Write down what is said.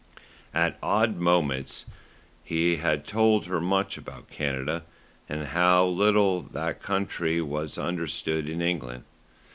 At odd moments he told her much about Canada, and how little that country was understood in England.